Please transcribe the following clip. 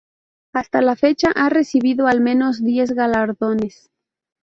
Hasta la fecha ha recibido al menos diez galardones.